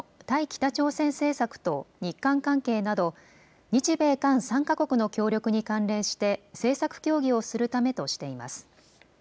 北朝鮮政策と日韓関係など日米韓３か国の協力に関連して政策協議をするためとしています。